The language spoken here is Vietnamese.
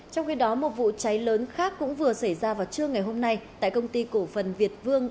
trong khi đó một vụ cháy lớn khác cũng vừa xảy ra vào trưa ngày hôm nay tại công ty cổ phần việt vương